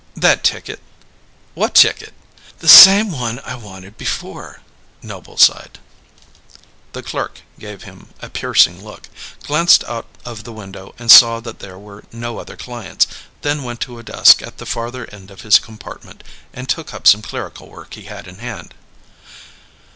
"That ticket." "What ticket?" "The same one I wanted before," Noble sighed. The clerk gave him a piercing look, glanced out of the window and saw that there were no other clients, then went to a desk at the farther end of his compartment, and took up some clerical work he had in hand.